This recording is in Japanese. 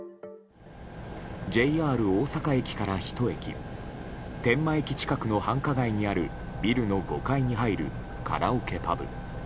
ＪＲ大阪駅から１駅天満駅近くの繁華街にあるビルの５階に入るカラオケパブ。